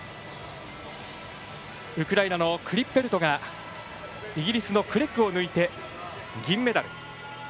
ウクライナのクリッペルトがイギリスのクレッグを抜いて銀メダル。